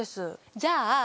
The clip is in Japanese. じゃあ